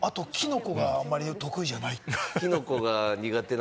あとはきのこがあんまり得意じゃない。